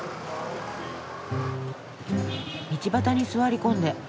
道端に座り込んで。